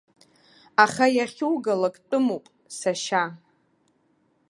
Аха иахьугалак тәымуп, сашьа.